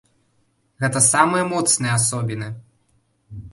Гэта самыя моцныя асобіны!